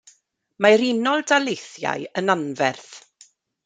Mae'r Unol Daleithiau yn anferth.